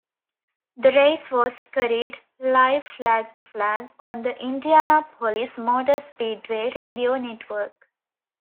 The race was carried live flag-to-flag on the Indianapolis Motor Speedway Radio Network.